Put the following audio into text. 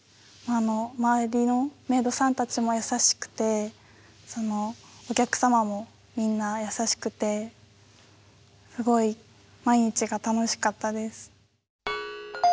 周りのメイドさんたちも優しくてお客様もみんな優しくてすごい毎日が楽しかったです。